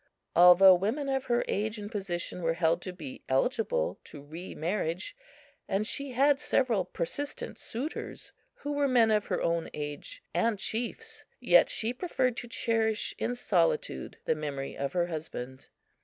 Although women of her age and position were held to be eligible to re marriage, and she had several persistent suitors who were men of her own age and chiefs, yet she preferred to cherish in solitude the memory of her husband.